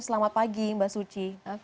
selamat pagi mbak suci